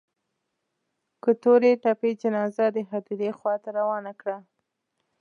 که تورې تپې جنازه د هديرې خوا ته روانه کړه.